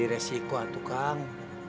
jadi resiko atuh kang